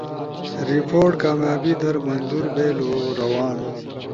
رپورٹ کامیابی در منظور بیلو، روان